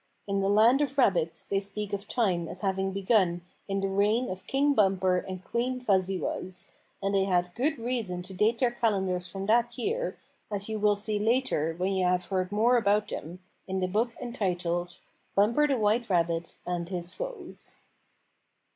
In the land of rabbits they speak of time as having be gun in the reign of King Bumper and Queen Fuzzy Wuzz, and they had good reason to date their calendars from that year, as you will see later when you have heard more about them in the book entitled "Bumper the White Rabbit and His Foes."